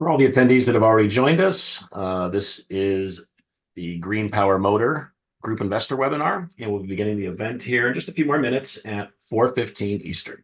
For all the attendees that have already joined us, this is the GreenPower Motor Company Investor Webinar, and we'll be beginning the event here in just a few more minutes at 4:15 Eastern.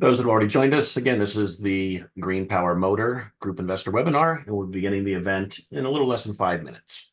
For those that have already joined us, again, this is the GreenPower Motor Company Investor Webinar, and we'll be beginning the event in a little less than five minutes.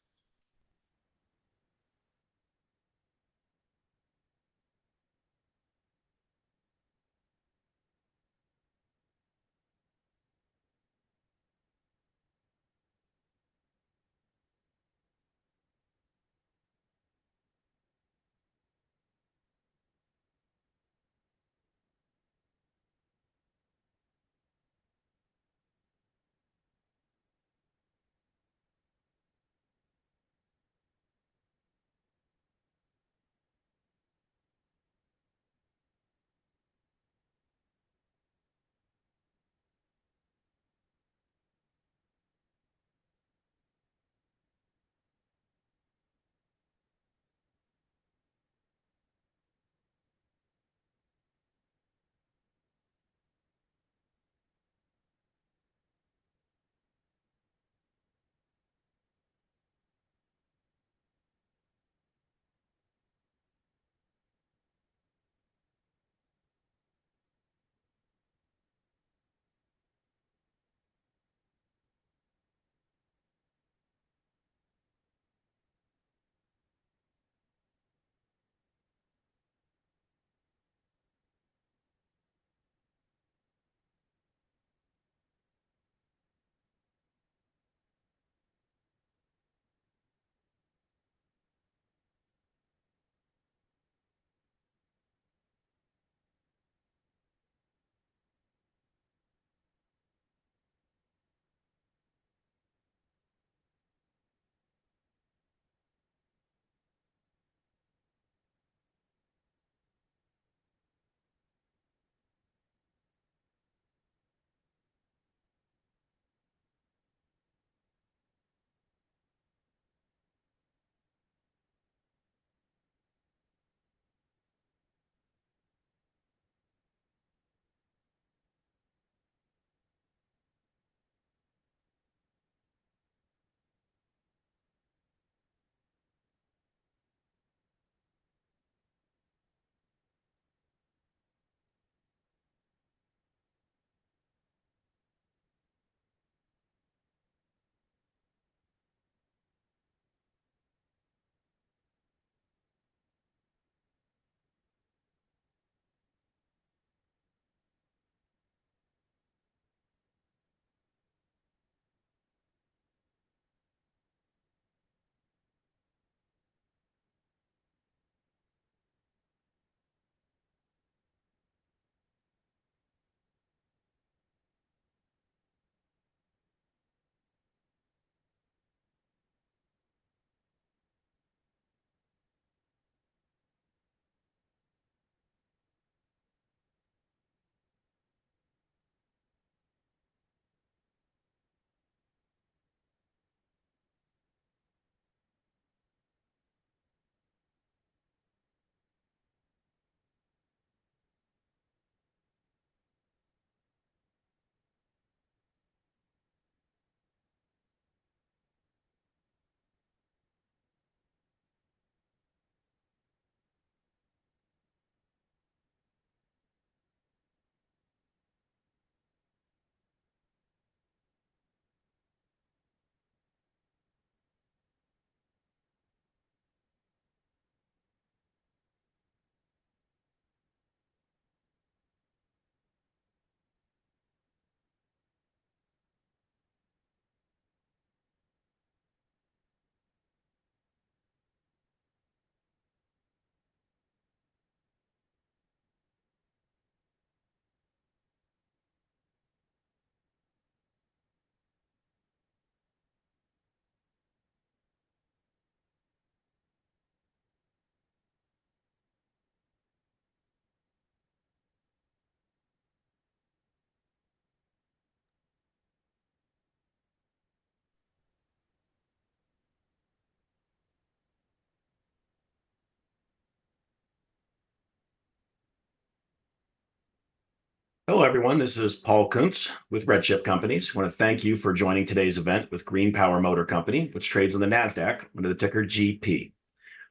Hello, everyone, this is Paul Koontz with RedChip Companies. I wanna thank you for joining today's event with GreenPower Motor Company, which trades on the NASDAQ under the ticker GP.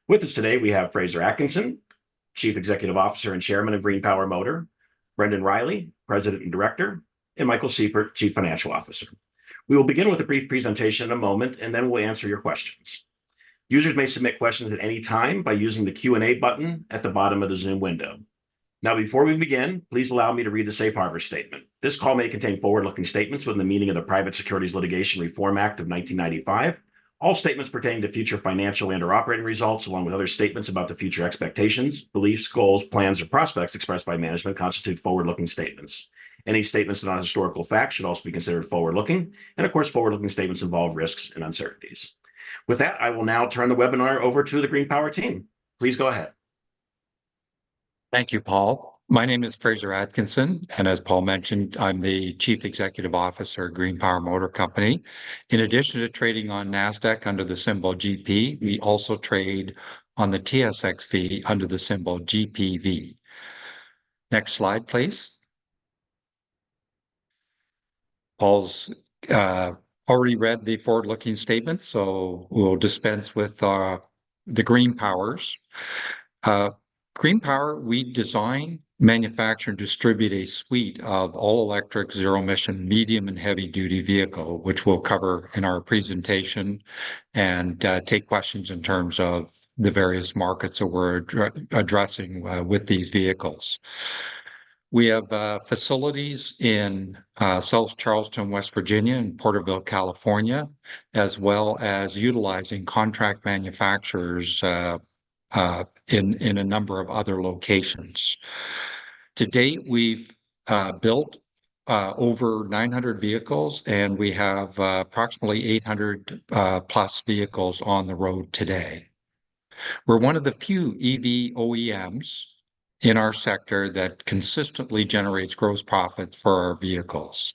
With us today, we have Fraser Atkinson, Chief Executive Officer and Chairman of GreenPower Motor, Brendan Riley, President and Director, and Michael Sieffert, Chief Financial Officer. We will begin with a brief presentation in a moment, and then we'll answer your questions. Users may submit questions at any time by using the Q&A button at the bottom of the Zoom window. Now, before we begin, please allow me to read the safe harbor statement. This call may contain forward-looking statements within the meaning of the Private Securities Litigation Reform Act of 1995. All statements pertaining to future financial and/or operating results, along with other statements about the future expectations, beliefs, goals, plans, or prospects expressed by management, constitute forward-looking statements. Any statements that are not historical facts should also be considered forward-looking, and of course, forward-looking statements involve risks and uncertainties. With that, I will now turn the webinar over to the GreenPower team. Please go ahead. Thank you, Paul. My name is Fraser Atkinson, and as Paul mentioned, I'm the Chief Executive Officer of GreenPower Motor Company. In addition to trading on NASDAQ under the symbol GP, we also trade on the TSXV under the symbol GPV. Next slide, please. Paul's already read the forward-looking statement, so we'll dispense with the GreenPower. GreenPower, we design, manufacture, and distribute a suite of all-electric, zero-emission, medium, and heavy-duty vehicle, which we'll cover in our presentation and take questions in terms of the various markets that we're addressing with these vehicles. We have facilities in South Charleston, West Virginia, and Porterville, California, as well as utilizing contract manufacturers in a number of other locations. To date, we've built over 900 vehicles, and we have approximately 800+ vehicles on the road today. We're one of the few EV OEMs in our sector that consistently generates gross profit for our vehicles.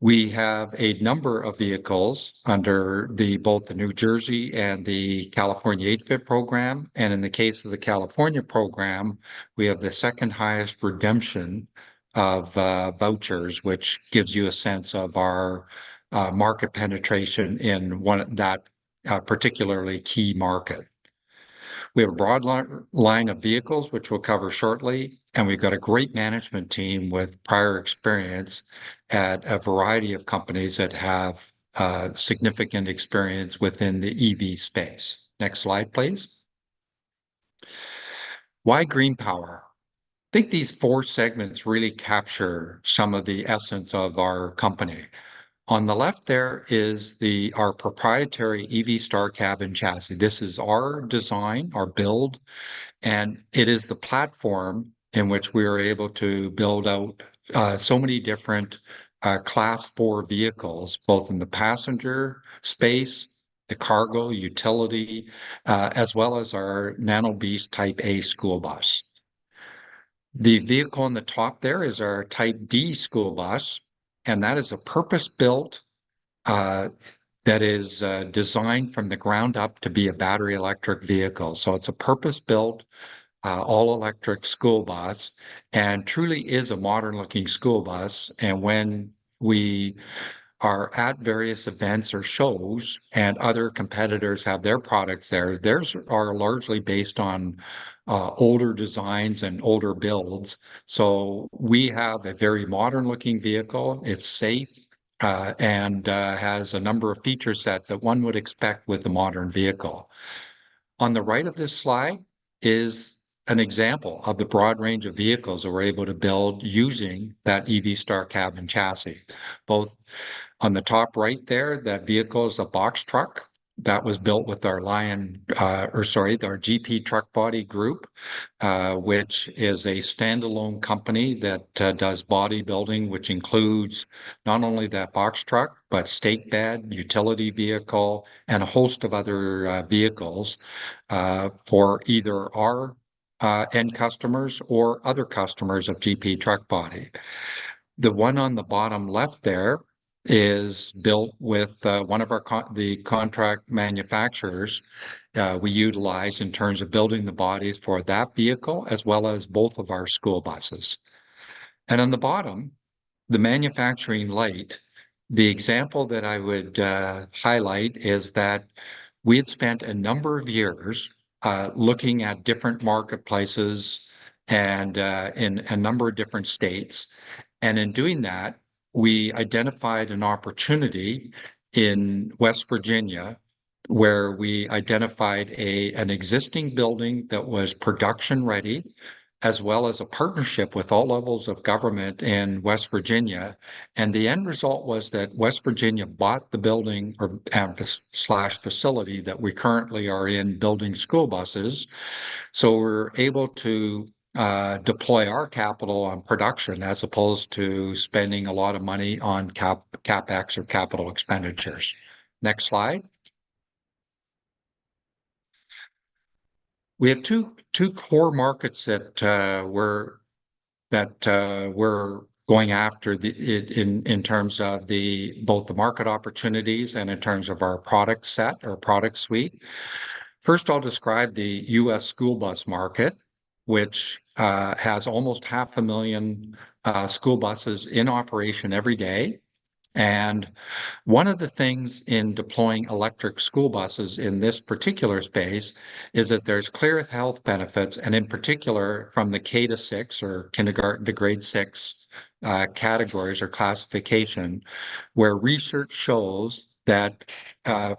We have a number of vehicles under both the New Jersey and the California ADFIT program, and in the case of the California program, we have the second-highest redemption of vouchers, which gives you a sense of our market penetration in one that particularly key market. We have a broad line of vehicles, which we'll cover shortly, and we've got a great management team with prior experience at a variety of companies that have significant experience within the EV space. Next slide, please. Why GreenPower? I think these four segments really capture some of the essence of our company. On the left there is our proprietary EV Star cab and chassis. This is our design, our build, and it is the platform in which we are able to build out so many different Class 4 vehicles, both in the passenger space, the cargo, utility, as well as our Nano BEAST Type A school bus. The vehicle on the top there is our Type D school bus, and that is a purpose-built designed from the ground up to be a battery electric vehicle. So it's a purpose-built all-electric school bus and truly is a modern-looking school bus, and when we are at various events or shows, and other competitors have their products there, theirs are largely based on older designs and older builds. So we have a very modern-looking vehicle. It's safe and has a number of feature sets that one would expect with a modern vehicle. On the right of this slide is an example of the broad range of vehicles that we're able to build using that EV Star cab and chassis. On the top right there, that vehicle is a box truck that was built with our Lion, or sorry, our GP Truck Body Group, which is a standalone company that does bodybuilding, which includes not only that box truck, but stake bed, utility vehicle, and a host of other vehicles for either our end customers or other customers of GP Truck Body. The one on the bottom left there is built with one of our, the contract manufacturers we utilize in terms of building the bodies for that vehicle, as well as both of our school buses. On the bottom, the Manufacturing Light, the example that I would highlight is that we had spent a number of years looking at different marketplaces and in a number of different states. In doing that, we identified an opportunity in West Virginia where we identified an existing building that was production-ready, as well as a partnership with all levels of government in West Virginia. The end result was that West Virginia bought the building or, and, slash, facility that we currently are in building school buses. So we're able to deploy our capital on production, as opposed to spending a lot of money on CapEx or capital expenditures. Next slide. We have two core markets that we're going after, in terms of both the market opportunities and in terms of our product set or product suite. First, I'll describe the U.S. school bus market, which has almost 500,000 school buses in operation every day. One of the things in deploying electric school buses in this particular space is that there's clear health benefits, and in particular, from the K to six, or kindergarten to grade six, categories or classification, where research shows that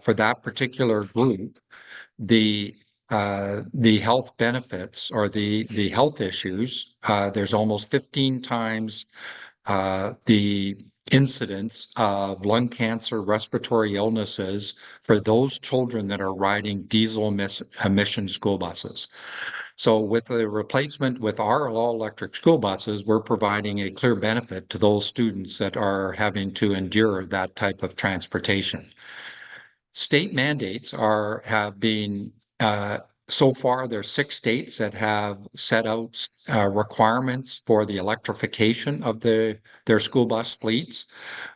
for that particular group, the health benefits or the health issues, there's almost 15 times the incidence of lung cancer, respiratory illnesses for those children that are riding diesel emission school buses. So with the replacement, with our all-electric school buses, we're providing a clear benefit to those students that are having to endure that type of transportation. State mandates are, have been, so far, there are six states that have set out requirements for the electrification of their school bus fleets.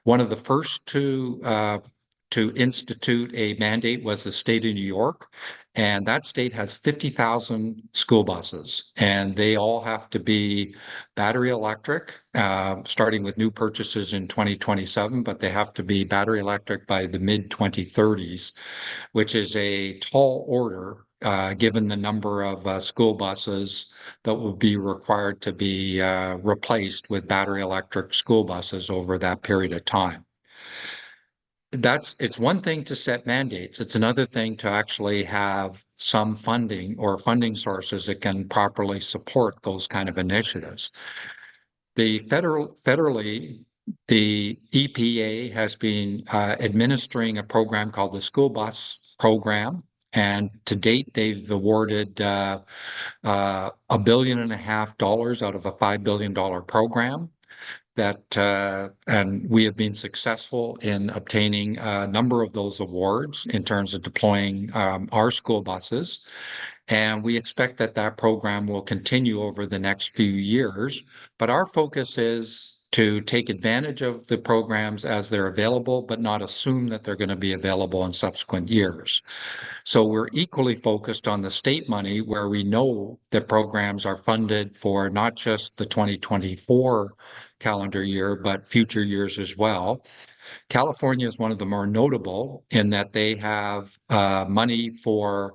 One of the first to institute a mandate was the state of New York, and that state has 50,000 school buses, and they all have to be battery electric, starting with new purchases in 2027, but they have to be battery electric by the mid-2030s, which is a tall order, given the number of school buses that would be required to be replaced with battery electric school buses over that period of time. It's one thing to set mandates, it's another thing to actually have some funding or funding sources that can properly support those kind of initiatives. Federally, the EPA has been administering a program called the School Bus Program, and to date, they've awarded $1.5 billion out of a $5 billion program. That, and we have been successful in obtaining a number of those awards in terms of deploying our school buses, and we expect that that program will continue over the next few years. But our focus is to take advantage of the programs as they're available, but not assume that they're gonna be available in subsequent years. So we're equally focused on the state money, where we know that programs are funded for not just the 2024 calendar year, but future years as well. California is one of the more notable in that they have money for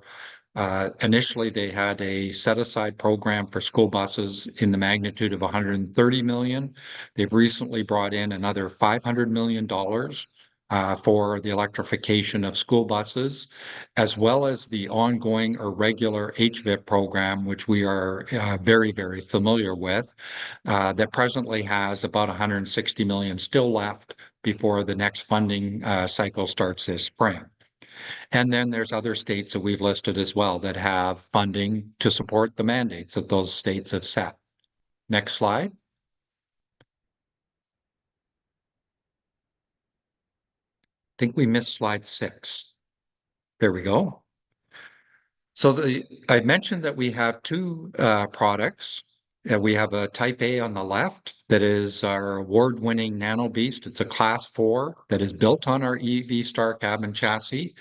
initially, they had a set-aside program for school buses in the magnitude of $130 million. They've recently brought in another $500 million for the electrification of school buses, as well as the ongoing or regular HVIP program, which we are very, very familiar with, that presently has about $160 million still left before the next funding cycle starts this spring. And then there's other states that we've listed as well, that have funding to support the mandates that those states have set. Next slide. I think we missed slide six. There we go. So, I mentioned that we have two products. We have a Type A on the left, that is our award-winning Nano BEAST. It's a Class 4 that is built on our EV Star cab and chassis,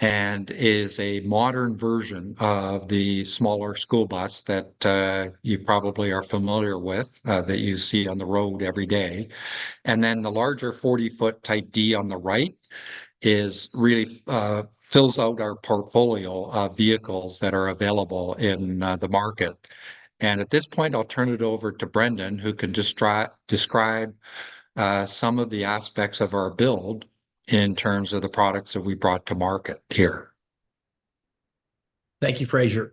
and is a modern version of the smaller school bus that you probably are familiar with that you see on the road every day. Then the larger 40-foot Type D on the right is really fills out our portfolio of vehicles that are available in the market. At this point, I'll turn it over to Brendan, who can describe some of the aspects of our build in terms of the products that we brought to market here. Thank you, Fraser.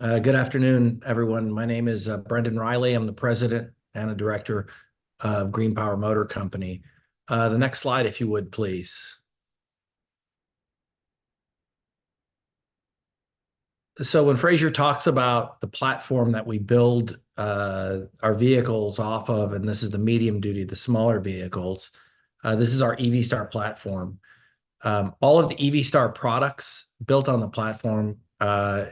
Good afternoon, everyone. My name is Brendan Riley. I'm the president and the director of GreenPower Motor Company. The next slide, if you would, please. So when Fraser talks about the platform that we build our vehicles off of, and this is the medium duty, the smaller vehicles, this is our EV Star platform. All of the EV Star products built on the platform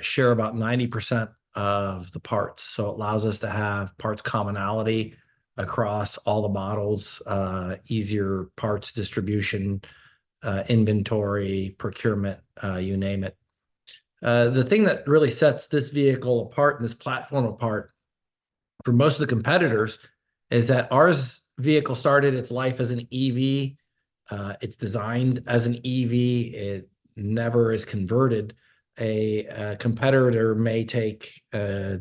share about 90% of the parts, so it allows us to have parts commonality across all the models, easier parts distribution, inventory, procurement, you name it. The thing that really sets this vehicle apart and this platform apart from most of the competitors, is that our vehicle started its life as an EV. It's designed as an EV. It never is converted. A competitor may take a-...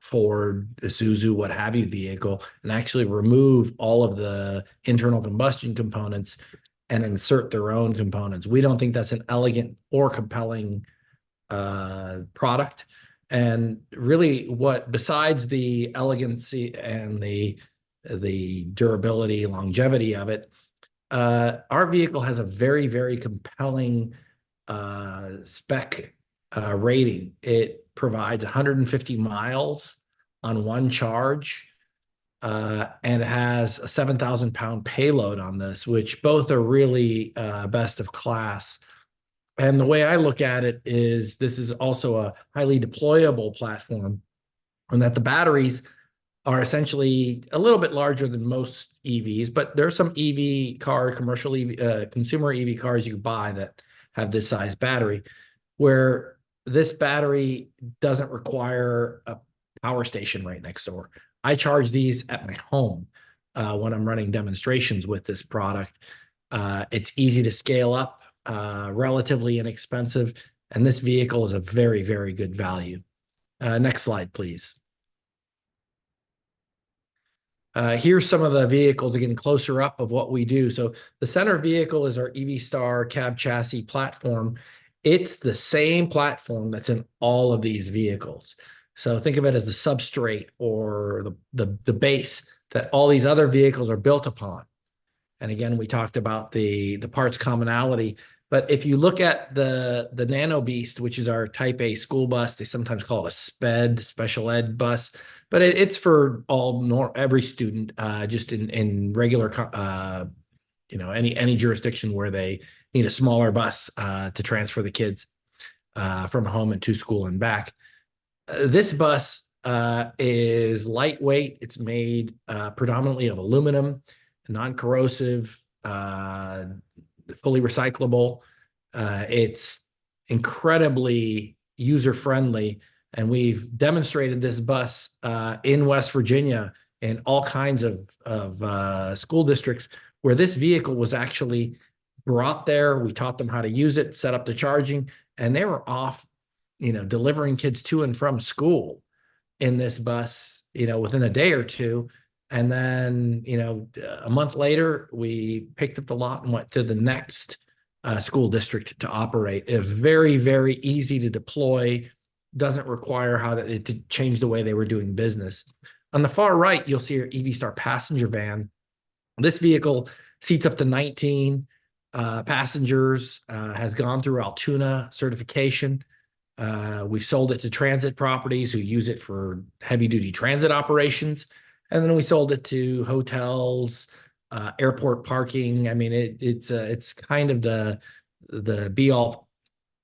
Ford, Isuzu, what have you, vehicle, and actually remove all of the internal combustion components and insert their own components. We don't think that's an elegant or compelling product. And really, what, besides the elegancy and the durability and longevity of it, our vehicle has a very, very compelling spec rating. It provides 150 miles on one charge and has a 7,000-pound payload on this, which both are really best of class. And the way I look at it is this is also a highly deployable platform, and that the batteries are essentially a little bit larger than most EVs, but there are some EV car, commercial EV, consumer EV cars you buy that have this size battery, where this battery doesn't require a power station right next door. I charge these at my home, when I'm running demonstrations with this product. It's easy to scale up, relatively inexpensive, and this vehicle is a very, very good value. Next slide, please. Here are some of the vehicles, again, closer up of what we do. So the center vehicle is our EV Star cab chassis platform. It's the same platform that's in all of these vehicles. So think of it as the substrate or the base that all these other vehicles are built upon. And again, we talked about the parts commonality. But if you look at the Nano BEAST, which is our Type A school bus, they sometimes call it a SPED, special ed bus, but it's for every student, just in regular, you know, any jurisdiction where they need a smaller bus to transfer the kids from home and to school and back. This bus is lightweight. It's made predominantly of aluminum, non-corrosive, fully recyclable. It's incredibly user friendly, and we've demonstrated this bus in West Virginia and all kinds of school districts where this vehicle was actually brought there. We taught them how to use it, set up the charging, and they were off, you know, delivering kids to and from school in this bus, you know, within a day or two. And then, you know, a month later, we picked up the lot and went to the next school district to operate. A very, very easy to deploy, doesn't require to change the way they were doing business. On the far right, you'll see our EV Star passenger van. This vehicle seats up to 19 passengers, has gone through Altoona certification. We've sold it to transit properties who use it for heavy-duty transit operations, and then we sold it to hotels, airport parking. I mean, it, it's, it's kind of the, the be-all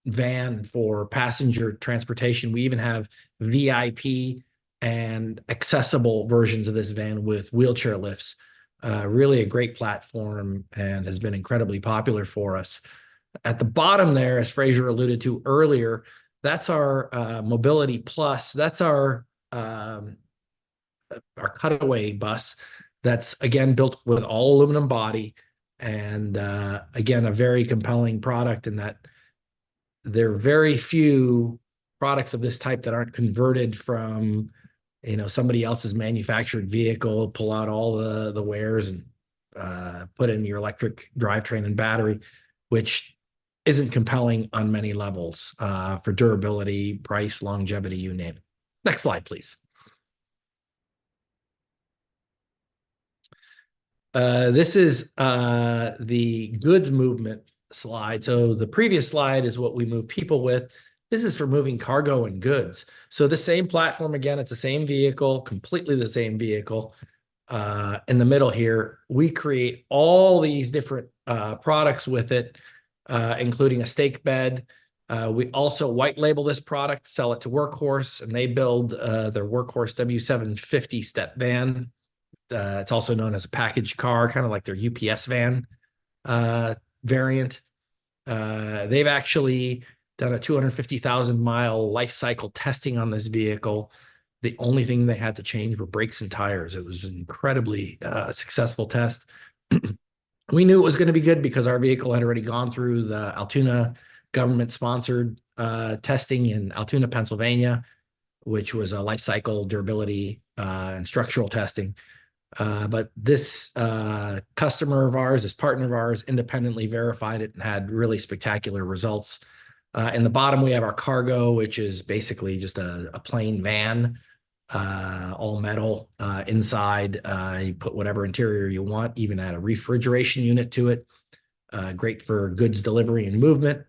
van for passenger transportation. We even have VIP and accessible versions of this van with wheelchair lifts. Really a great platform and has been incredibly popular for us. At the bottom there, as Fraser alluded to earlier, that's our Mobility Plus. That's our, our cutaway bus that's, again, built with all-aluminum body and, again, a very compelling product in that there are very few products of this type that aren't converted from, you know, somebody else's manufactured vehicle, pull out all the, the wares, and, put in your electric drivetrain and battery, which isn't compelling on many levels, for durability, price, longevity, you name it. Next slide, please. This is, the goods movement slide. So the previous slide is what we move people with. This is for moving cargo and goods. So the same platform, again, it's the same vehicle, completely the same vehicle, in the middle here. We create all these different, products with it, including a stake bed. We also white label this product, sell it to Workhorse, and they build, their Workhorse W750 step van. It's also known as a package car, kinda like their UPS van variant. They've actually done a 250,000-mile life cycle testing on this vehicle. The only thing they had to change were brakes and tires. It was an incredibly successful test. We knew it was gonna be good because our vehicle had already gone through the Altoona government-sponsored testing in Altoona, Pennsylvania, which was a life cycle durability and structural testing. But this customer of ours, this partner of ours, independently verified it and had really spectacular results. In the bottom, we have our cargo, which is basically just a plain van, all metal inside. You put whatever interior you want, even add a refrigeration unit to it. Great for goods delivery and movement.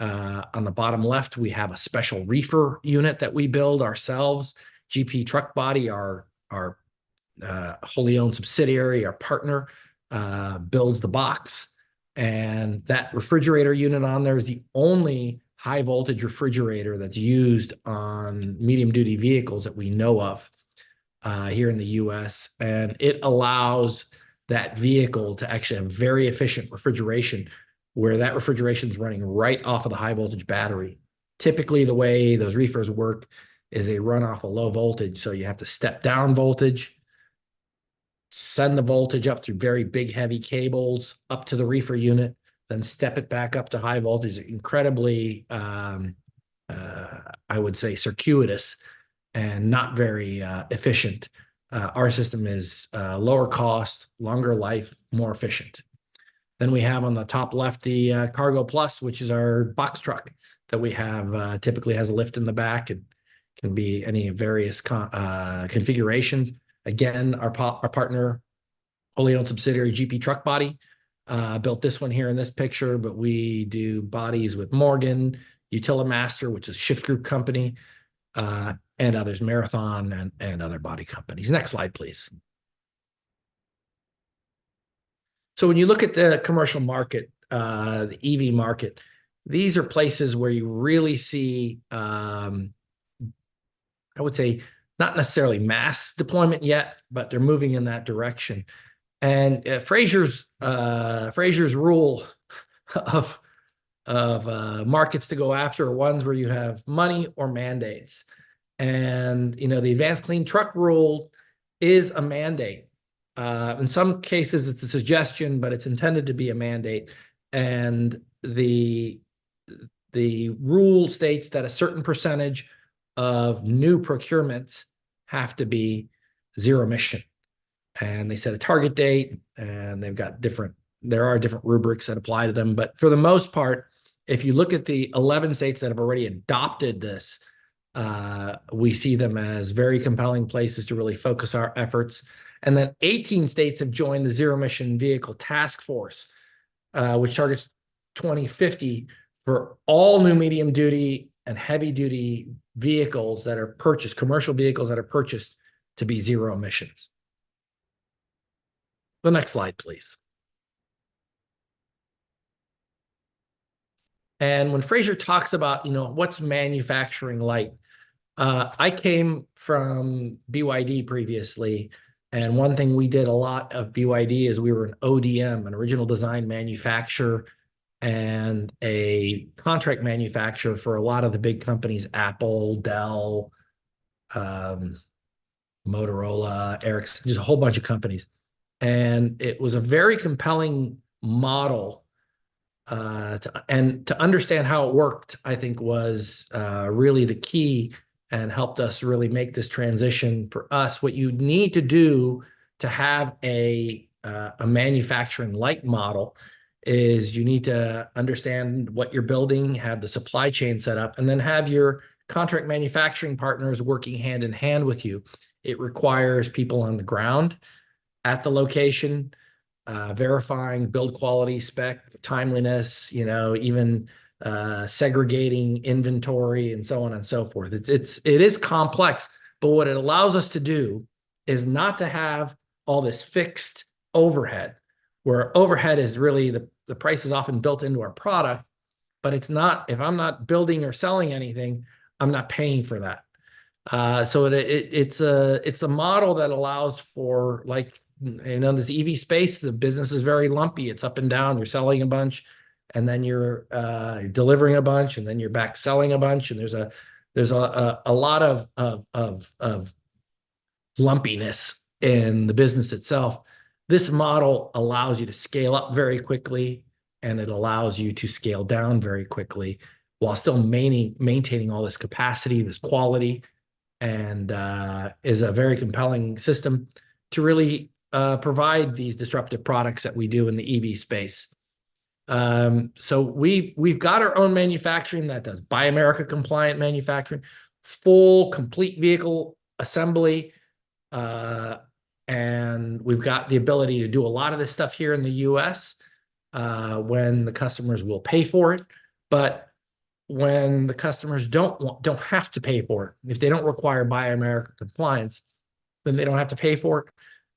On the bottom left, we have a special reefer unit that we build ourselves. GP Truck Body, our wholly-owned subsidiary, our partner, builds the box, and that refrigerator unit on there is the only high-voltage refrigerator that's used on medium-duty vehicles that we know of here in the U.S. It allows that vehicle to actually have very efficient refrigeration, where that refrigeration is running right off of the high-voltage battery. Typically, the way those reefers work is they run off a low voltage, so you have to step down voltage, send the voltage up through very big, heavy cables up to the reefer unit, then step it back up to high voltage. Incredibly, I would say circuitous and not very efficient. Our system is lower cost, longer life, more efficient. Then we have on the top left, the Cargo Plus, which is our box truck that we have typically has a lift in the back. It can be any various configurations. Again, our partner, wholly-owned subsidiary, GP Truck Body, built this one here in this picture, but we do bodies with Morgan, Utilimaster, which is Shyft Group company, and others, Marathon and other body companies. Next slide, please. So when you look at the commercial market, the EV market, these are places where you really see, I would say, not necessarily mass deployment yet, but they're moving in that direction. And Fraser's rule of markets to go after are ones where you have money or mandates. And, you know, the Advanced Clean Trucks rule is a mandate. In some cases, it's a suggestion, but it's intended to be a mandate, and the rule states that a certain percentage of new procurements have to be zero emission. They set a target date, and there are different rubrics that apply to them, but for the most part, if you look at the 11 states that have already adopted this, we see them as very compelling places to really focus our efforts. Then 18 states have joined the Zero Emission Vehicle Task Force, which targets 2050 for all new medium-duty and heavy-duty vehicles that are purchased, commercial vehicles that are purchased to be zero emissions. The next slide, please. And when Fraser talks about, you know, what's Manufacturing Light? I came from BYD previously, and one thing we did a lot of BYD is we were an ODM, an original design manufacturer and a contract manufacturer for a lot of the big companies, Apple, Dell, Motorola, Ericsson. Just a whole bunch of companies. It was a very compelling model, and to understand how it worked, I think was really the key and helped us really make this transition. For us, what you'd need to do to have a manufacturing light model is you need to understand what you're building, have the supply chain set up, and then have your contract manufacturing partners working hand in hand with you. It requires people on the ground at the location, verifying build quality, spec, timeliness, you know, even segregating inventory, and so on and so forth. It is complex, but what it allows us to do is not to have all this fixed overhead, where overhead is really the price is often built into our product, but it's not... If I'm not building or selling anything, I'm not paying for that. So it's a model that allows for, like, you know, in this EV space, the business is very lumpy. It's up and down. You're selling a bunch, and then you're delivering a bunch, and then you're back selling a bunch, and there's a lot of lumpiness in the business itself. This model allows you to scale up very quickly, and it allows you to scale down very quickly, while still maintaining all this capacity, this quality, and is a very compelling system to really provide these disruptive products that we do in the EV space. So we, we've got our own manufacturing that does Buy America compliant manufacturing, full, complete vehicle assembly, and we've got the ability to do a lot of this stuff here in the U.S., when the customers will pay for it. But when the customers don't have to pay for it, if they don't require Buy America compliance, then they don't have to pay for it.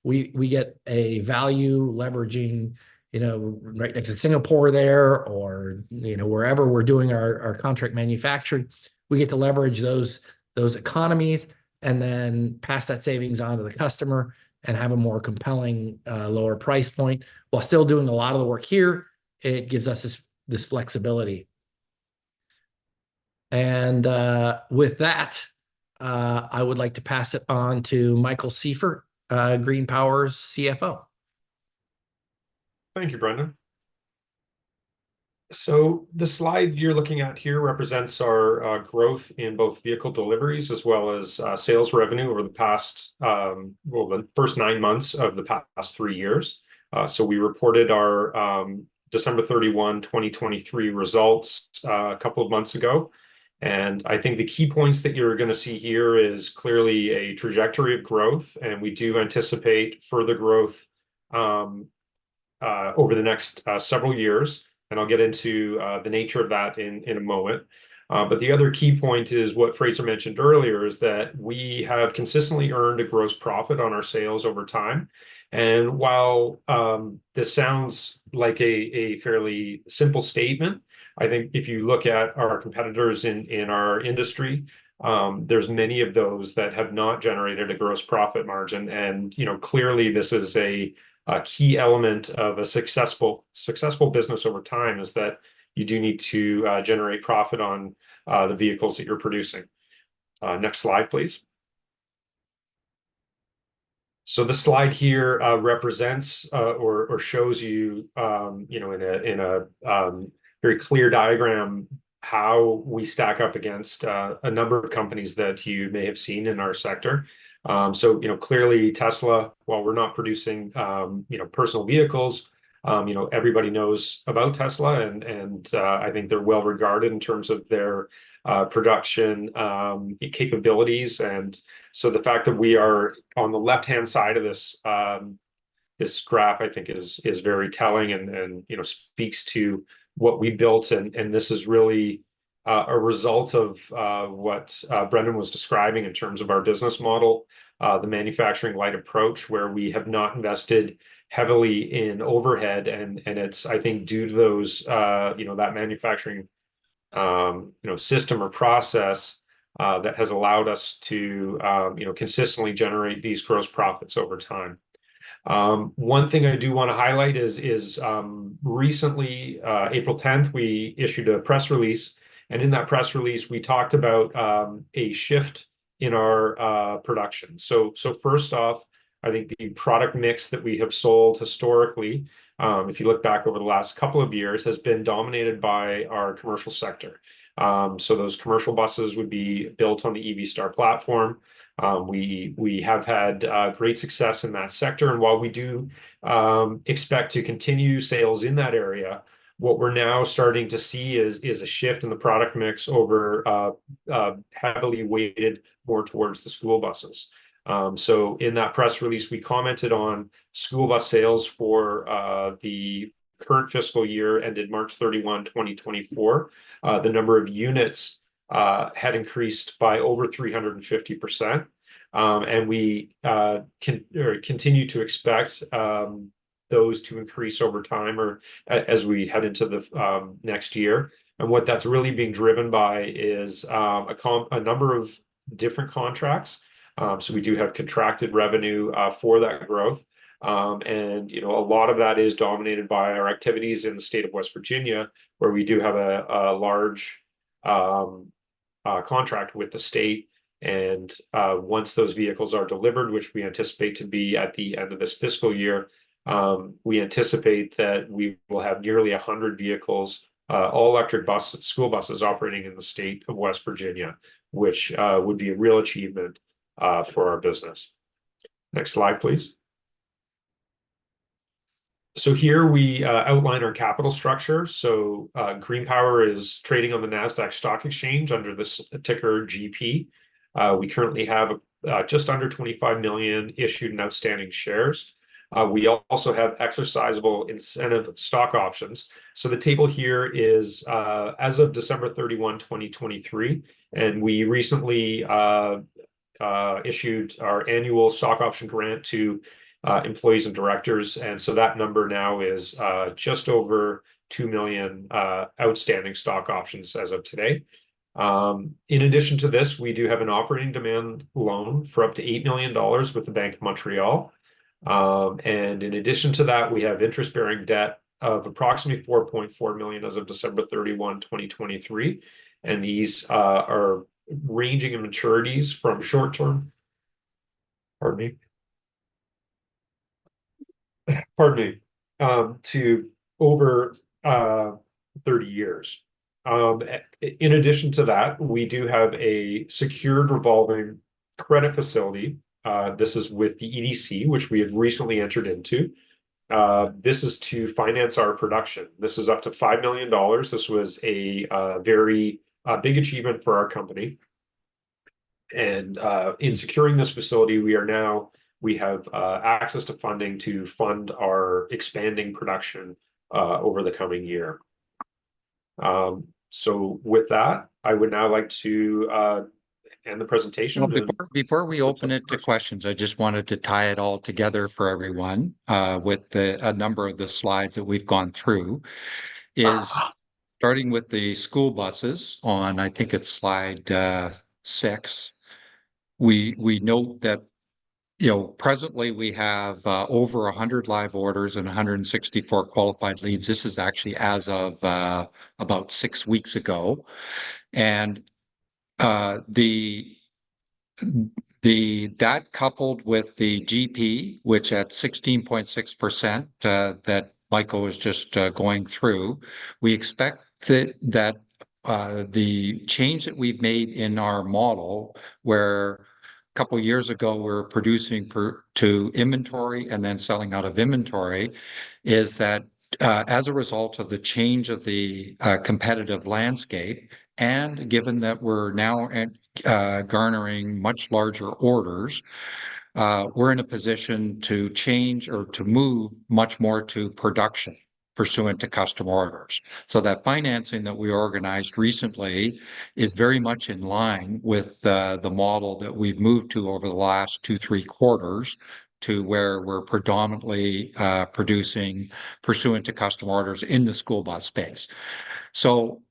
We get a value leveraging, you know, right next to Singapore there, or, you know, wherever we're doing our contract manufacturing, we get to leverage those economies and then pass that savings on to the customer and have a more compelling, lower price point, while still doing a lot of the work here. It gives us this flexibility. With that, I would like to pass it on to Michael Sieffert, GreenPower's CFO. Thank you, Brendan. So the slide you're looking at here represents our growth in both vehicle deliveries as well as sales revenue over the past, well, the first nine months of the past three years. So we reported our December 31, 2023 results a couple of months ago, and I think the key points that you're gonna see here is clearly a trajectory of growth, and we do anticipate further growth over the next several years, and I'll get into the nature of that in a moment. But the other key point is, what Fraser mentioned earlier, is that we have consistently earned a gross profit on our sales over time. And while this sounds like a fairly simple statement, I think if you look at our competitors in our industry, there's many of those that have not generated a gross profit margin. And, you know, clearly, this is a key element of a successful business over time, is that you do need to generate profit on the vehicles that you're producing. Next slide, please. So this slide here represents or shows you, you know, in a very clear diagram how we stack up against a number of companies that you may have seen in our sector. So, you know, clearly Tesla, while we're not producing, you know, personal vehicles, you know, everybody knows about Tesla, and I think they're well-regarded in terms of their production capabilities. So the fact that we are on the left-hand side of this graph, I think is very telling, and you know, speaks to what we built, and this is really a result of what Brendan was describing in terms of our business model. The manufacturing-light approach, where we have not invested heavily in overhead, and it's, I think, due to those, you know, that manufacturing, you know, system or process that has allowed us to, you know, consistently generate these gross profits over time. One thing I do wanna highlight is, recently, April 10th, we issued a press release, and in that press release, we talked about a shift in our production. So first off, I think the product mix that we have sold historically, if you look back over the last couple of years, has been dominated by our commercial sector. So those commercial buses would be built on the EV Star platform. We have had great success in that sector, and while we do expect to continue sales in that area, what we're now starting to see is a shift in the product mix over heavily weighted more towards the school buses. So in that press release, we commented on school bus sales for the current fiscal year, ended March 31, 2024. The number of units had increased by over 350%, and we continue to expect those to increase over time as we head into the next year. And what that's really being driven by is a number of different contracts. So we do have contracted revenue for that growth. And, you know, a lot of that is dominated by our activities in the state of West Virginia, where we do have a large contract with the state. And once those vehicles are delivered, which we anticipate to be at the end of this fiscal year, we anticipate that we will have nearly 100 vehicles, all electric school buses operating in the state of West Virginia, which would be a real achievement for our business. Next slide, please. Here we outline our capital structure. GreenPower is trading on the NASDAQ stock exchange under the ticker GP. We currently have just under 25 million issued and outstanding shares. We also have exercisable incentive stock options. The table here is as of December 31, 2023, and we recently issued our annual stock option grant to employees and directors. And so that number now is just over 2 million outstanding stock options as of today. In addition to this, we do have an operating demand loan for up to $8 million with the Bank of Montreal. And in addition to that, we have interest-bearing debt of approximately $4.4 million as of December 31, 2023, and these are ranging in maturities from short-term... Pardon me. Pardon me, to over 30 years. In addition to that, we do have a secured revolving credit facility. This is with the EDC, which we have recently entered into. This is to finance our production. This is up to $5 million. This was a very big achievement for our company. In securing this facility, we have access to funding to fund our expanding production over the coming year. With that, I would now like to end the presentation- Well, before we open it to questions, I just wanted to tie it all together for everyone with a number of the slides that we've gone through. Is starting with the school buses on, I think it's slide six. We note that, you know, presently we have over 100 live orders and 164 qualified leads. This is actually as of about six weeks ago. The that coupled with the GP, which at 16.6%, that Michael was just going through, we expect that the change that we've made in our model, where a couple of years ago we were producing per to inventory and then selling out of inventory, is that as a result of the change of the competitive landscape, and given that we're now at garnering much larger orders, we're in a position to change or to move much more to production pursuant to customer orders. So that financing that we organized recently is very much in line with the model that we've moved to over the last two to three quarters, to where we're predominantly producing pursuant to customer orders in the school bus space. So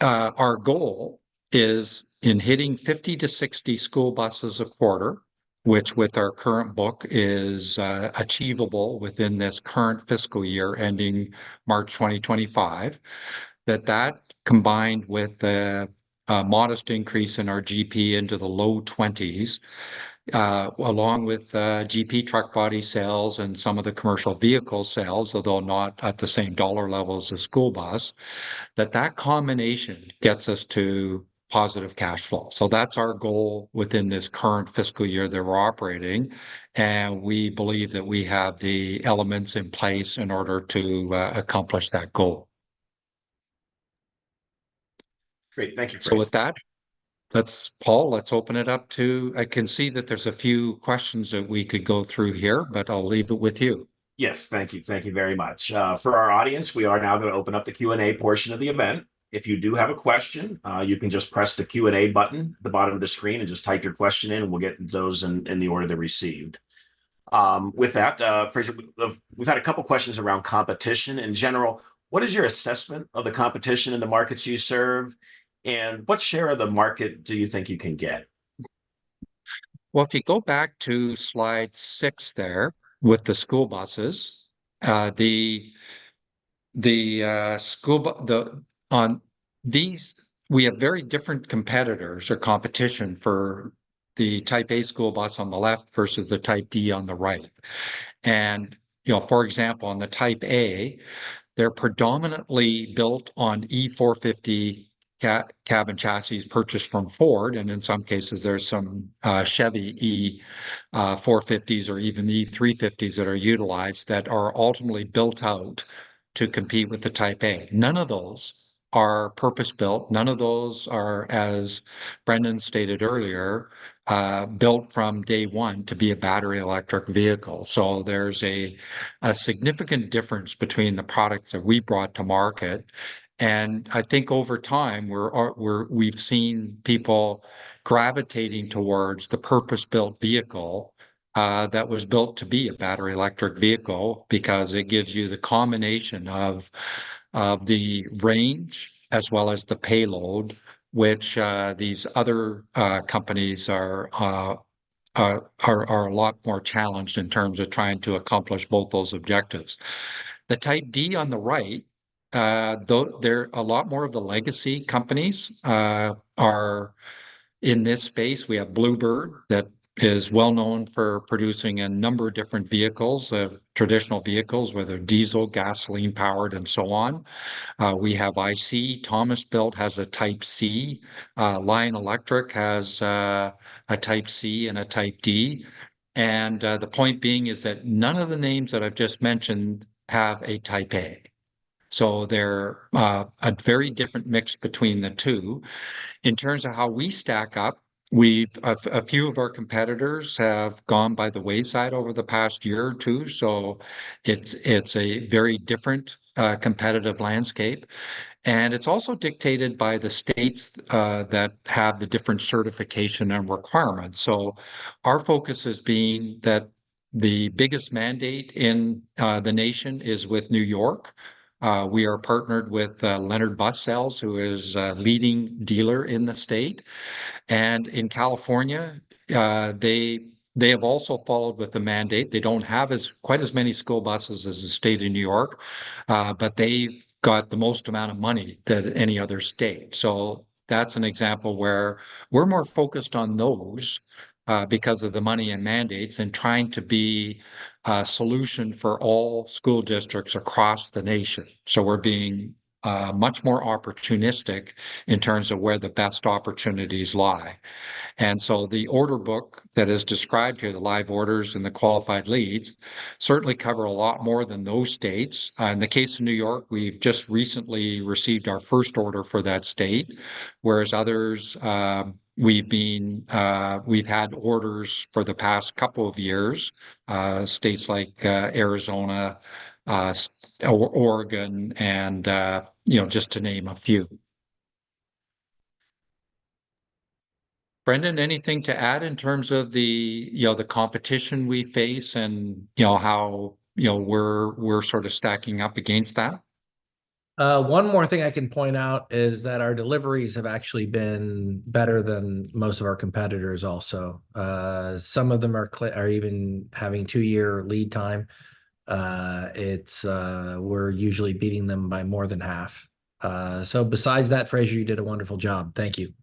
our goal is in hitting 50-60 school buses a quarter, which with our current book is achievable within this current fiscal year, ending March 2025. That that, combined with the modest increase in our GP into the low 20s%, along with GP Truck Body sales and some of the commercial vehicle sales, although not at the same dollar level as the school bus, that that combination gets us to positive cash flow. That's our goal within this current fiscal year that we're operating, and we believe that we have the elements in place in order to accomplish that goal. Great. Thank you, Fraser. So with that, let's - Paul, let's open it up to... I can see that there's a few questions that we could go through here, but I'll leave it with you. Yes. Thank you. Thank you very much. For our audience, we are now gonna open up the Q&A portion of the event. If you do have a question, you can just press the Q&A button at the bottom of the screen and just type your question in, and we'll get those in the order they're received. With that, Fraser, we've had a couple of questions around competition. In general, what is your assessment of the competition in the markets you serve, and what share of the market do you think you can get? Well, if you go back to slide six there, with the school buses, on these, we have very different competitors or competition for the Type A school bus on the left versus the Type D on the right. And, you know, for example, on the Type A, they're predominantly built on E-450 cab chassis purchased from Ford, and in some cases, there's some Chevy E-450s or even E-350s that are utilized that are ultimately built out to compete with the Type A. None of those are purpose-built, none of those are, as Brendan stated earlier, built from day one to be a battery electric vehicle. So there's a significant difference between the products that we brought to market. And I think over time, we've seen people gravitating towards the purpose-built vehicle that was built to be a battery electric vehicle, because it gives you the combination of the range as well as the payload, which these other companies are a lot more challenged in terms of trying to accomplish both those objectives. The Type D on the right, they're a lot more of the legacy companies are in this space. We have Blue Bird, that is well known for producing a number of different vehicles, traditional vehicles, whether diesel, gasoline powered, and so on. We have IC. Thomas Built has a Type C. Lion Electric has a Type C and a Type D. The point being is that none of the names that I've just mentioned have a Type A, so they're a very different mix between the two. In terms of how we stack up, a few of our competitors have gone by the wayside over the past year or two, so it's a very different competitive landscape. And it's also dictated by the states that have the different certification and requirements. So our focus has been that the biggest mandate in the nation is with New York. We are partnered with Leonard Bus Sales, who is a leading dealer in the state. And in California, they have also followed with the mandate. They don't have as quite as many school buses as the state of New York, but they've got the most amount of money than any other state. So that's an example where we're more focused on those, because of the money and mandates, and trying to be a solution for all school districts across the nation. So we're being much more opportunistic in terms of where the best opportunities lie. And so the order book that is described here, the live orders and the qualified leads, certainly cover a lot more than those states. In the case of New York, we've just recently received our first order for that state, whereas others, we've been, we've had orders for the past couple of years, states like Arizona, or Oregon, and you know, just to name a few. Brendan, anything to add in terms of the, you know, the competition we face and, you know, how, you know, we're sort of stacking up against that? One more thing I can point out is that our deliveries have actually been better than most of our competitors also. Some of them are even having two-year lead time. We're usually beating them by more than half. So besides that, Fraser, you did a wonderful job. Thank you.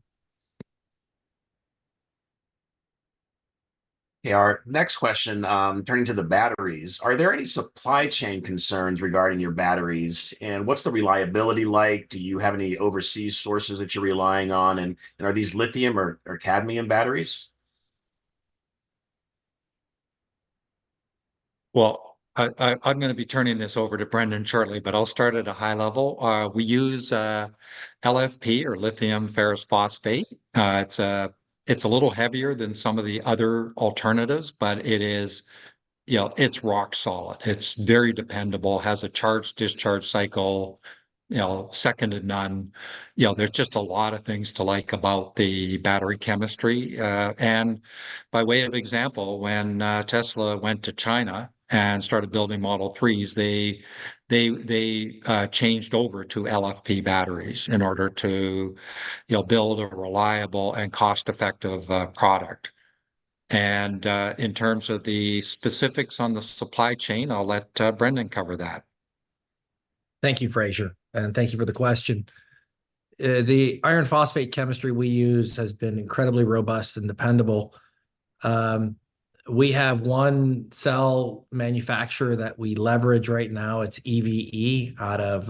Yeah, our next question, turning to the batteries: Are there any supply chain concerns regarding your batteries, and what's the reliability like? Do you have any overseas sources that you're relying on, and are these lithium or cadmium batteries? Well, I'm gonna be turning this over to Brendan shortly, but I'll start at a high level. We use LFP, or lithium ferrous phosphate. It's a little heavier than some of the other alternatives, but it is, you know, it's rock solid. It's very dependable, has a charge-discharge cycle, you know, second to none. You know, there's just a lot of things to like about the battery chemistry. And by way of example, when Tesla went to China and started building Model 3s, they changed over to LFP batteries in order to, you know, build a reliable and cost-effective product. And in terms of the specifics on the supply chain, I'll let Brendan cover that. Thank you, Fraser, and thank you for the question. The iron phosphate chemistry we use has been incredibly robust and dependable. We have one cell manufacturer that we leverage right now. It's EVE out of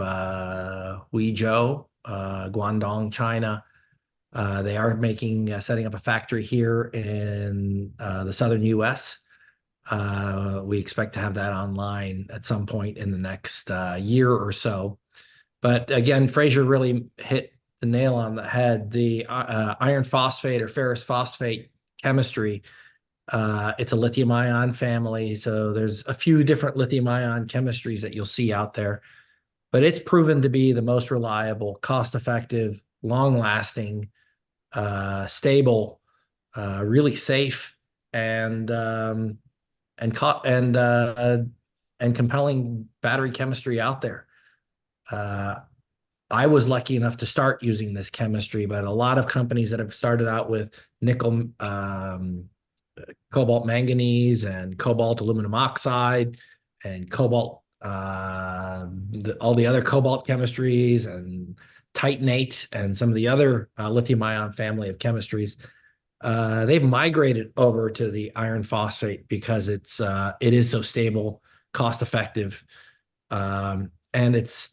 Huizhou, Guangdong, China. They are making, setting up a factory here in the southern U.S. We expect to have that online at some point in the next year or so. But again, Fraser really hit the nail on the head. The iron phosphate or ferrous phosphate chemistry, it's a lithium-ion family, so there's a few different lithium-ion chemistries that you'll see out there. But it's proven to be the most reliable, cost-effective, long-lasting, stable, really safe, and compelling battery chemistry out there. I was lucky enough to start using this chemistry, but a lot of companies that have started out with nickel, cobalt manganese and cobalt aluminum oxide and cobalt, all the other cobalt chemistries and titanate and some of the other lithium-ion family of chemistries, they've migrated over to the iron phosphate because it is so stable, cost-effective, and it's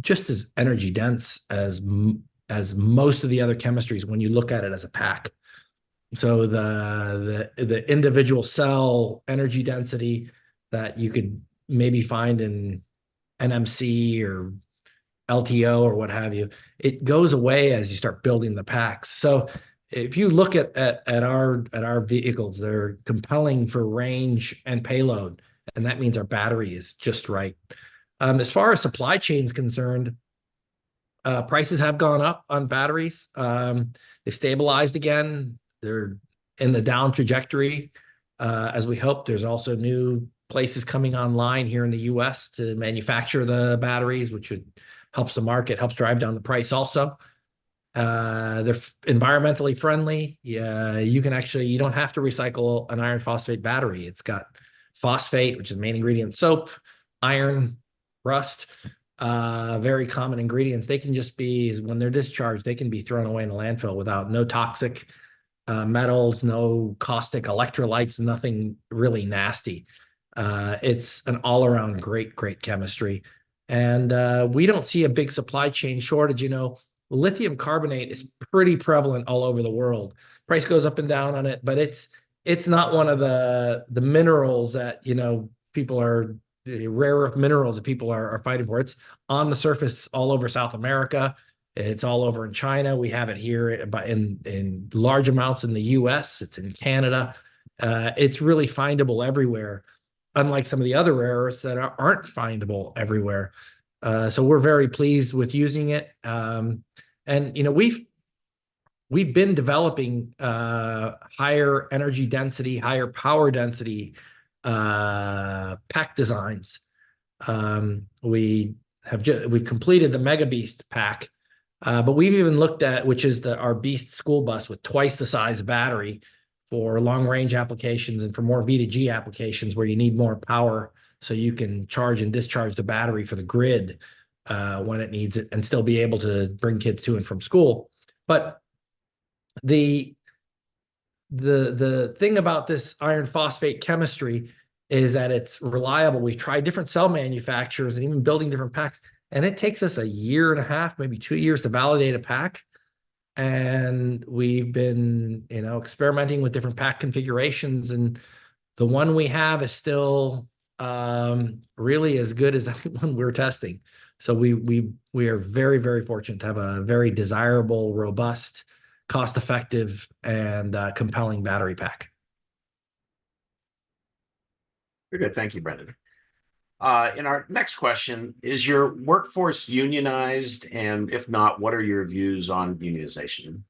just as energy-dense as most of the other chemistries when you look at it as a pack. So the individual cell energy density that you could maybe find in NMC or LTO, or what have you, it goes away as you start building the packs. So if you look at our vehicles, they're compelling for range and payload, and that means our battery is just right. As far as supply chain's concerned, prices have gone up on batteries. They've stabilized again. They're in the down trajectory, as we hope. There's also new places coming online here in the U.S. to manufacture the batteries, which should... helps the market, helps drive down the price also. They're environmentally friendly. You can actually- you don't have to recycle an iron phosphate battery. It's got phosphate, which is the main ingredient in soap, iron, rust, very common ingredients. They can just be... When they're discharged, they can be thrown away in a landfill without no toxic, metals, no caustic electrolytes, nothing really nasty. It's an all-around great, great chemistry. And, we don't see a big supply chain shortage, you know. Lithium carbonate is pretty prevalent all over the world. Price goes up and down on it, but it's not one of the minerals that, you know, people are the rarer minerals that people are fighting for. It's on the surface all over South America, it's all over in China. We have it here in large amounts in the U.S., it's in Canada. It's really findable everywhere, unlike some of the other rares that aren't findable everywhere. So we're very pleased with using it. And, you know, we've been developing higher energy density, higher power density pack designs. We completed the Mega BEAST pack, but we've even looked at, which is our BEAST school bus with twice the size battery for long range applications and for more V2G applications, where you need more power so you can charge and discharge the battery for the grid, when it needs it, and still be able to bring kids to and from school. But the thing about this iron phosphate chemistry is that it's reliable. We've tried different cell manufacturers and even building different packs, and it takes us a year and a half, maybe two years, to validate a pack. And we've been, you know, experimenting with different pack configurations, and the one we have is still really as good as any one we're testing. We are very, very fortunate to have a very desirable, robust, cost-effective, and compelling battery pack. Very good. Thank you, Brendan. And our next question, is your workforce unionized? And if not, what are your views on unionization?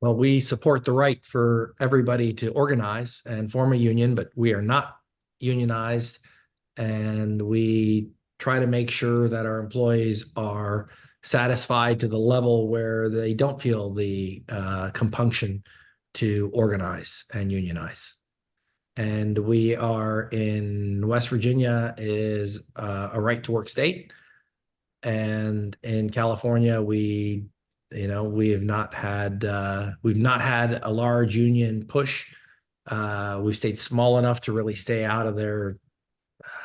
Well, we support the right for everybody to organize and form a union, but we are not unionized, and we try to make sure that our employees are satisfied to the level where they don't feel the compunction to organize and unionize. We are in West Virginia, which is a right-to-work state, and in California, we, you know, we have not had, we've not had a large union push. We've stayed small enough to really stay out of their,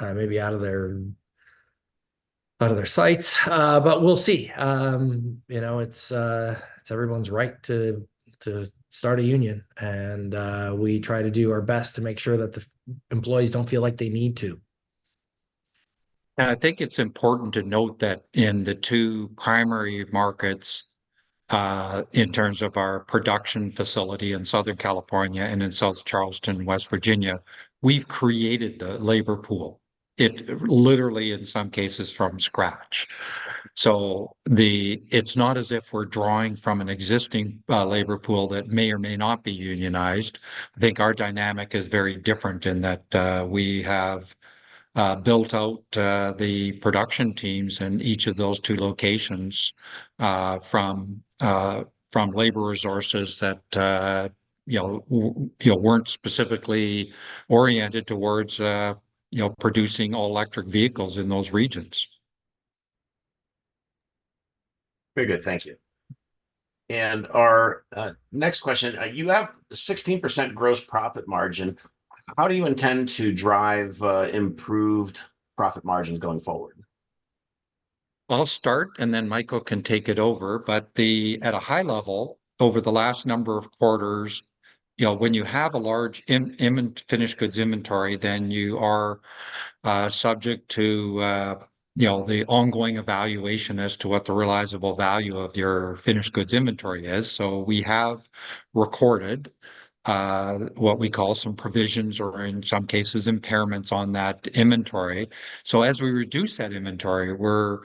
maybe out of their, out of their sights. But we'll see. You know, it's everyone's right to start a union, and we try to do our best to make sure that the employees don't feel like they need to. I think it's important to note that in the two primary markets, in terms of our production facility in Southern California and in South Charleston, West Virginia, we've created the labor pool. It literally, in some cases, from scratch. So it's not as if we're drawing from an existing, labor pool that may or may not be unionized. I think our dynamic is very different in that, we have built out the production teams in each of those two locations, from labor resources that, you know, you know, weren't specifically oriented towards, you know, producing all-electric vehicles in those regions. Very good. Thank you. And our next question: you have 16% gross profit margin. How do you intend to drive improved profit margins going forward? I'll start, and then Michael can take it over. But at a high level, over the last number of quarters, you know, when you have a large finished goods inventory, then you are subject to, you know, the ongoing evaluation as to what the realizable value of your finished goods inventory is. So we have recorded what we call some provisions, or in some cases, impairments on that inventory. So as we reduce that inventory, we're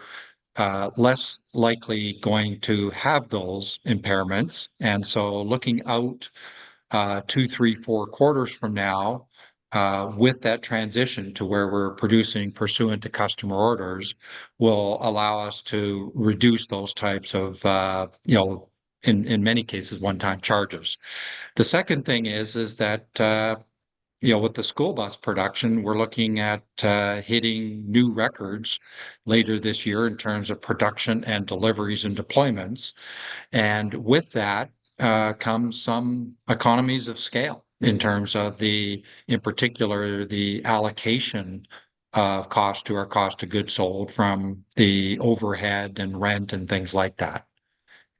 less likely going to have those impairments. And so looking out two, three, four quarters from now, with that transition to where we're producing pursuant to customer orders, will allow us to reduce those types of, you know, in many cases, one-time charges. The second thing is, is that, you know, with the school bus production, we're looking at, hitting new records later this year in terms of production and deliveries and deployments. And with that, comes some economies of scale in terms of the, in particular, the allocation of cost to our cost of goods sold from the overhead and rent and things like that.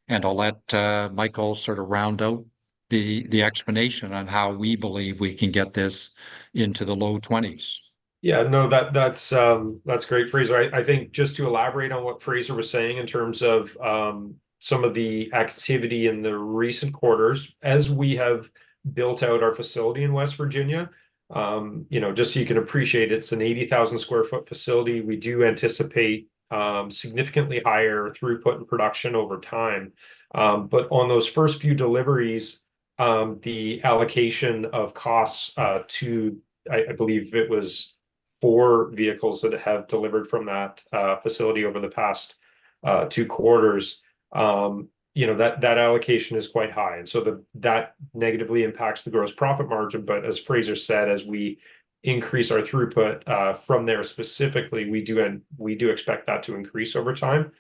And I'll let, Michael sort of round out the, the explanation on how we believe we can get this into the low twenties. Yeah. No, that's great, Fraser. I think just to elaborate on what Fraser was saying in terms of some of the activity in the recent quarters. As we have built out our facility in West Virginia, you know, just so you can appreciate, it's an 80,000 sq ft facility. We do anticipate significantly higher throughput in production over time. But on those first few deliveries, the allocation of costs to, I believe it was four vehicles that have delivered from that facility over the past two quarters, you know, that allocation is quite high, and so that negatively impacts the gross profit margin. But as Fraser said, as we increase our throughput from there specifically, we do expect that to increase over time.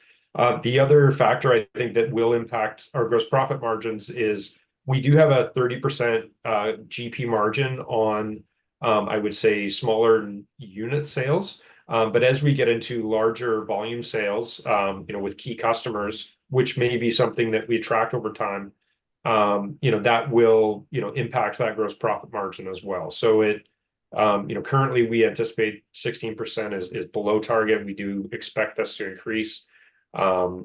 The other factor I think that will impact our gross profit margins is we do have a 30% GP margin on, I would say, smaller unit sales. But as we get into larger volume sales, you know, with key customers, which may be something that we attract over time, you know, that will, you know, impact that gross profit margin as well. So it... You know, currently we anticipate 16% is below target. We do expect this to increase. And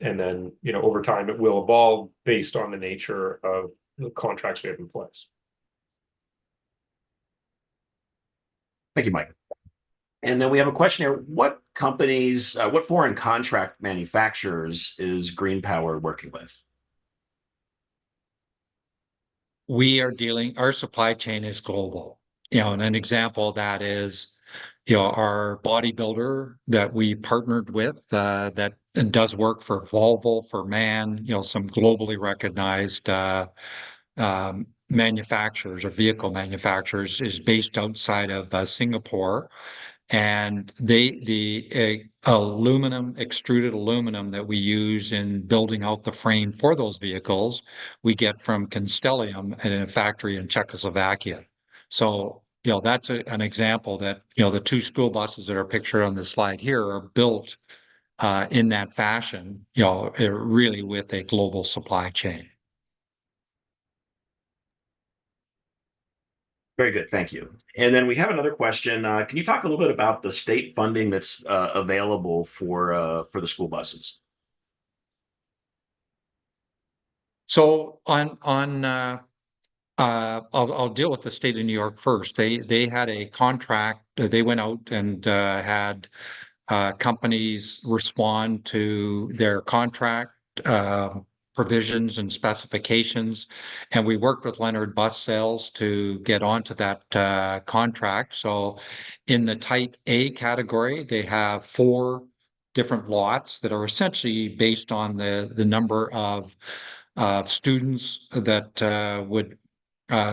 then, you know, over time, it will evolve based on the nature of the contracts we have in place. Thank you, Michael. And then we have a question here: what companies, what foreign contract manufacturers is GreenPower working with? Our supply chain is global. You know, and an example that is, you know, our body builder that we partnered with and does work for Volvo, for MAN, you know, some globally recognized manufacturers or vehicle manufacturers, is based outside of Singapore. And they, the aluminum, extruded aluminum that we use in building out the frame for those vehicles, we get from Constellium in a factory in Czechoslovakia. So, you know, that's an example that, you know, the two school buses that are pictured on the slide here are built in that fashion, you know, really with a global supply chain. Very good, thank you. And then we have another question. Can you talk a little bit about the state funding that's for the school buses? I'll deal with the state of New York first. They had a contract. They went out and had companies respond to their contract provisions and specifications, and we worked with Leonard Bus Sales to get onto that contract. In the Type A category, they have four different lots that are essentially based on the number of students that would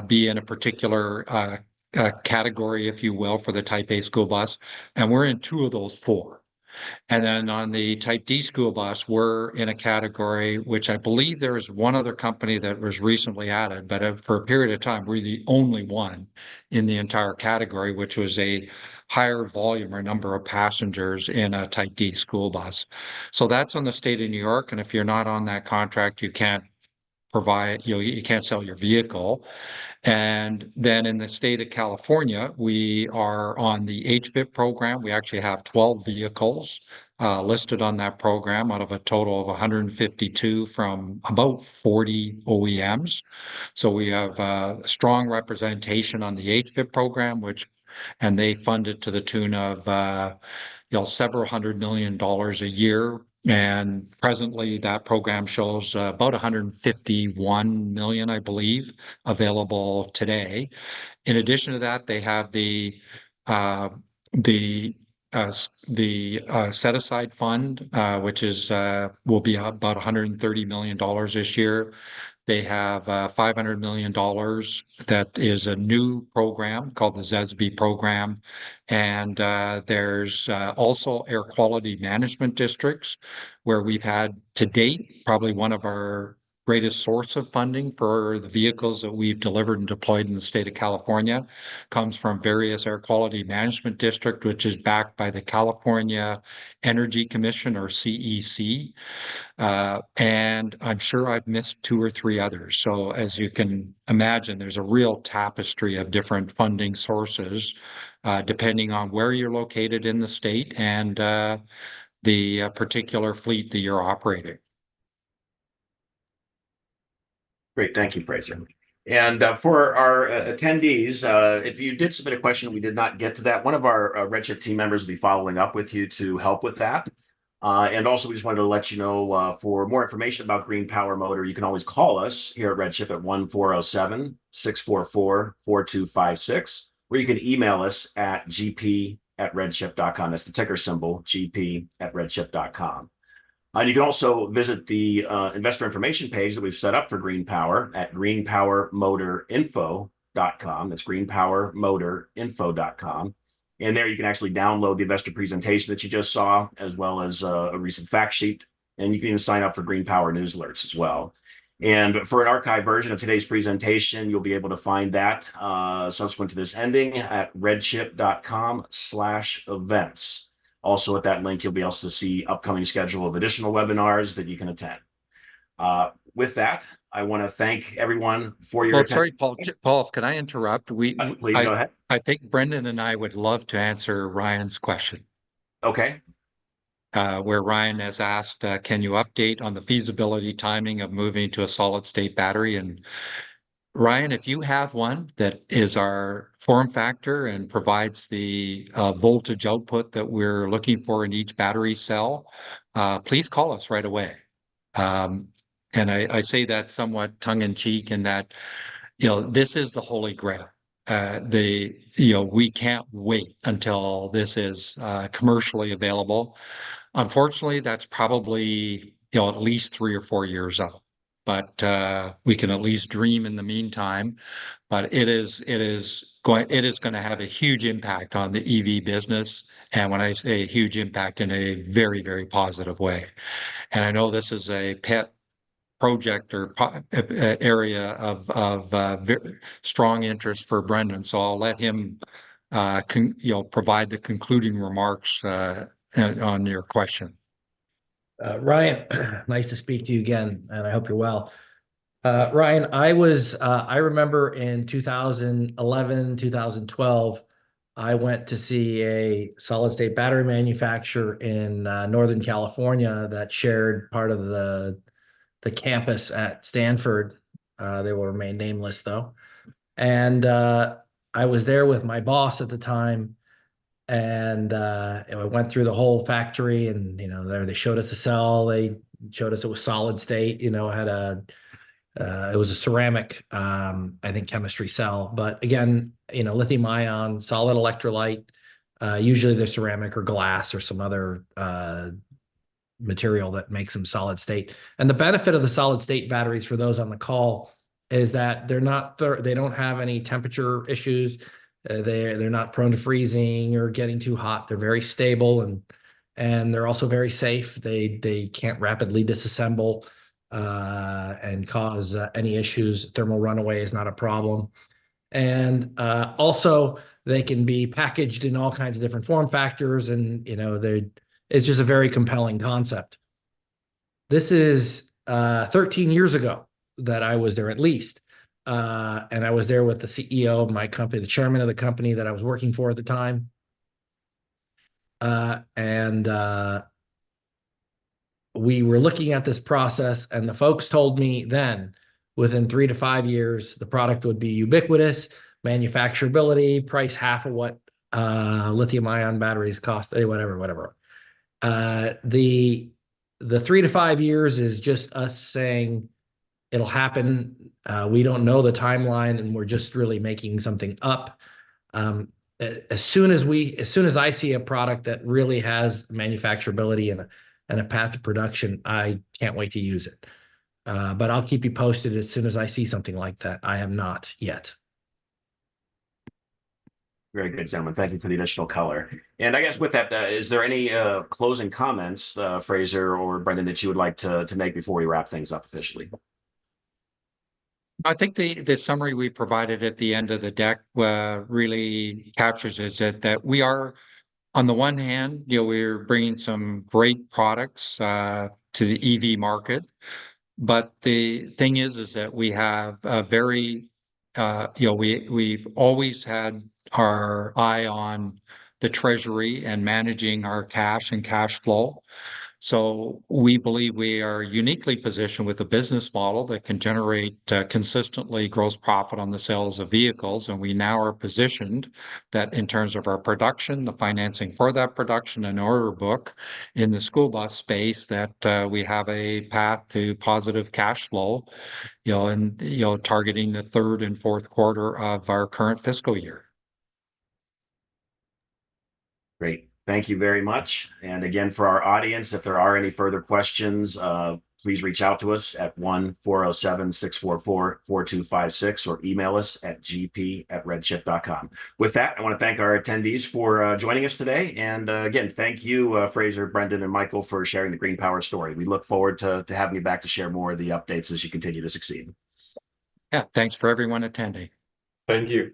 be in a particular category, if you will, for the Type A school bus, and we're in two of those four. And then on the Type D school bus, we're in a category, which I believe there is one other company that was recently added, but, for a period of time, we were the only one in the entire category, which was a higher volume or number of passengers in a Type D school bus. So that's on the State of New York, and if you're not on that contract, you can't provide... You know, you can't sell your vehicle. And then in the State of California, we are on the HVIP program. We actually have 12 vehicles listed on that program, out of a total of 152 from about 40 OEMs. So we have strong representation on the HVIP program, which- and they fund it to the tune of, you know, several hundred million dollars a year. Presently, that program shows about $151 million, I believe, available today. In addition to that, they have the set aside fund, which is will be about $130 million this year. They have $500 million. That is a new program called the ZESB program. And there's also air quality management districts, where we've had, to date, probably one of our greatest source of funding for the vehicles that we've delivered and deployed in the state of California, comes from various air quality management district, which is backed by the California Energy Commission, or CEC. And I'm sure I've missed two or three others. As you can imagine, there's a real tapestry of different funding sources, depending on where you're located in the state and the particular fleet that you're operating. Great. Thank you, Fraser. And, for our attendees, if you did submit a question and we did not get to that, one of our Red Chip team members will be following up with you to help with that. And also, we just wanted to let you know, for more information about Green Power Motor, you can always call us here at Red chip at 1-407-644-4256, or you can email us at gp@redchip.com. That's the ticker symbol, gp@redchip.com. And you can also visit the investor information page that we've set up for Green Power at greenpowermotorinfo.com. That's greenpowermotorinfo.com, and there you can actually download the investor presentation that you just saw, as well as a recent fact sheet, and you can even sign up for Green Power news alerts as well. For an archived version of today's presentation, you'll be able to find that, subsequent to this ending, at RedChip.com/events. Also, at that link, you'll be able to see upcoming schedule of additional webinars that you can attend. With that, I wanna thank everyone for your- Oh, sorry, Paul. Paul, can I interrupt? We- Please, go ahead. I think Brendan and I would love to answer Ryan's question. Okay. Where Ryan has asked, "Can you update on the feasibility timing of moving to a solid state battery?" And Ryan, if you have one that is our form factor and provides the voltage output that we're looking for in each battery cell, please call us right away. And I say that somewhat tongue-in-cheek, in that, you know, this is the Holy Grail. You know, we can't wait until this is commercially available. Unfortunately, that's probably, you know, at least three or four years out, but we can at least dream in the meantime. But it is, it is going- it is gonna have a huge impact on the EV business, and when I say a huge impact, in a very, very positive way. I know this is a pet project or area of, of, very strong interest for Brendan, so I'll let him, you know, provide the concluding remarks on, on your question. Ryan, nice to speak to you again, and I hope you're well. Ryan, I remember in 2011, 2012, I went to see a solid-state battery manufacturer in Northern California that shared part of the campus at Stanford. They will remain nameless, though. And I was there with my boss at the time, and we went through the whole factory, and you know, they showed us the cell. They showed us it was solid state. You know, it had a, it was a ceramic, I think, chemistry cell. But again, you know, lithium-ion, solid electrolyte, usually they're ceramic or glass or some other material that makes them solid state. The benefit of the solid state batteries, for those on the call, is that they're not—they don't have any temperature issues. They're not prone to freezing or getting too hot. They're very stable, and they're also very safe. They can't rapidly disassemble and cause any issues. Thermal runaway is not a problem. Also, they can be packaged in all kinds of different form factors and, you know, they... It's just a very compelling concept. This is 13 years ago that I was there, at least, and I was there with the CEO of my company, the chairman of the company that I was working for at the time. And we were looking at this process, and the folks told me then, within three to five years, the product would be ubiquitous, manufacturability, price, half of what lithium-ion batteries cost, whatever, whatever. The three to five years is just us saying it'll happen. We don't know the timeline, and we're just really making something up. As soon as I see a product that really has manufacturability and a path to production, I can't wait to use it. But I'll keep you posted as soon as I see something like that. I have not yet. Very good, gentlemen. Thank you for the additional color. I guess with that, is there any closing comments, Fraser or Brendan, that you would like to make before we wrap things up officially? I think the summary we provided at the end of the deck really captures it, is that we are, on the one hand, you know, we're bringing some great products to the EV market. But the thing is, is that we have a very... You know, we, we've always had our eye on the treasury and managing our cash and cash flow. So we believe we are uniquely positioned with a business model that can generate consistently gross profit on the sales of vehicles. And we now are positioned that in terms of our production, the financing for that production, and order book in the school bus space, that we have a path to positive cash flow, you know, and, you know, targeting the third and fourth quarter of our current fiscal year. Great. Thank you very much. And again, for our audience, if there are any further questions, please reach out to us at 1-407-644-4256, or email us at gp@redchip.com. With that, I wanna thank our attendees for joining us today. And again, thank you, Fraser, Brendan, and Michael, for sharing the GreenPower story. We look forward to having you back to share more of the updates as you continue to succeed. Yeah. Thanks for everyone attending. Thank you.